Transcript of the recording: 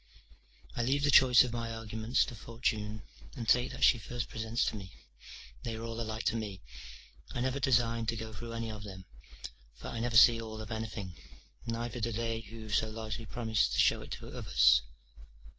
I leave the choice of my arguments to fortune, and take that she first presents to me; they are all alike to me, I never design to go through any of them; for I never see all of anything: neither do they who so largely promise to show it others.